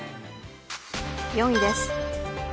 ４位です。